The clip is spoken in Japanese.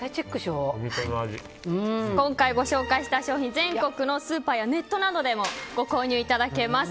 今回ご紹介した商品全国のスーパーやネットなどでもご購入いただけます。